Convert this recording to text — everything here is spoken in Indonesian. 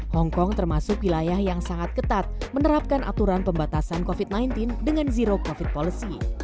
hongkong termasuk wilayah yang sangat ketat menerapkan aturan pembatasan covid sembilan belas dengan zero covid policy